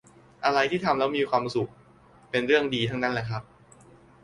อะไรที่ทำแล้วมีความสุข เป็นเรื่องดีทั้งนั้นแหละครับ